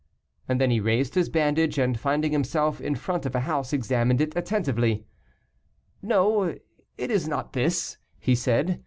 And then he raised his bandage, and finding himself in front of a house, examined it attentively. "No, it is not this," he said.